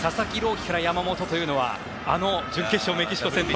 希から山本というのはあの準決勝メキシコ戦と。